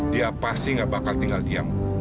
dia pasti gak bakal tinggal diam